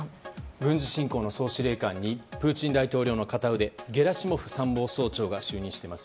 軍事侵攻の総司令官にプーチン大統領の片腕でゲラシモフ参謀総長が就任しています。